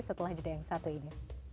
setelah jeda yang satu ini